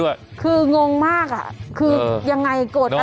เราก็ต้องมาฝากเตือนกันนะครับ